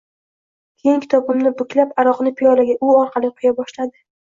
Keyin kitobimni buklab, aroqni piyolaga u orqali quya boshladi